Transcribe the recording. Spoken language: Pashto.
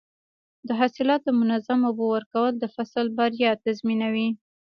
د حاصلاتو منظم اوبه ورکول د فصل بریا تضمینوي.